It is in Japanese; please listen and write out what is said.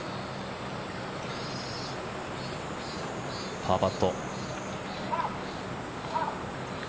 パーパット。